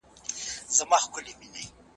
د یون سیسټم مرسته د ناروغانو لپاره حیاتي ده.